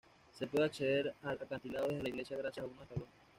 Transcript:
Se puede acceder al acantilado desde la iglesia gracias a unos escalones.